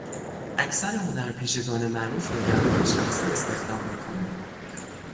اکثر هنرپیشگان معروف نگهبان شخصی استخدام میکنند.